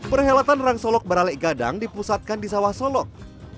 perhelatan rangsolog baraleg gadang dipusatkan di sawah solok